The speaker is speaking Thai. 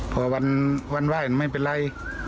พอวันไหว้ไม่เป็นไร